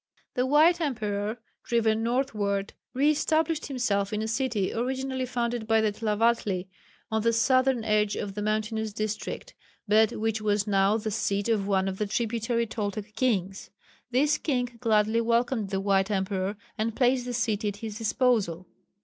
The white emperor driven northward re established himself in a city originally founded by the Tlavatli on the southern edge of the mountainous district, but which was now the seat of one of the tributary Toltec kings. He gladly welcomed the white emperor and placed the city at his disposal.